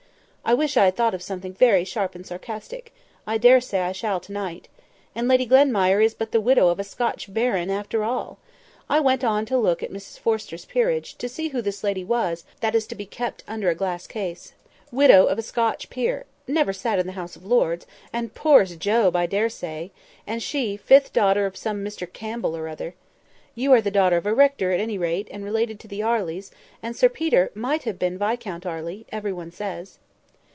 I wish I had thought of something very sharp and sarcastic; I dare say I shall to night. And Lady Glenmire is but the widow of a Scotch baron after all! I went on to look at Mrs Forrester's Peerage, to see who this lady was, that is to be kept under a glass case: widow of a Scotch peer—never sat in the House of Lords—and as poor as Job, I dare say; and she—fifth daughter of some Mr Campbell or other. You are the daughter of a rector, at any rate, and related to the Arleys; and Sir Peter might have been Viscount Arley, every one says."